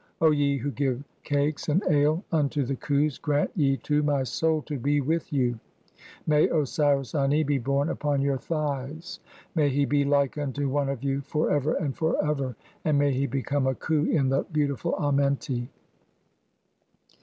O ye who give cakes and ale unto the Khus, grant "ye to my soul to be with you. May Osiris Ani be born upon your "thighs ; may he be like unto one of you for ever and for ever ; and "may he become a Khu in the beautiful Amenti."